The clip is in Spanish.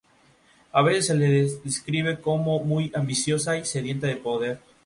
Han sido formuladas diversas críticas por parte de antropólogos y otros científicos sociales.